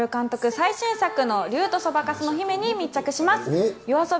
最新作の『竜とそばかすの姫』に密着します。